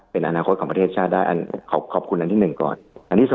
เป็นอนาคตของประเทศชาติได้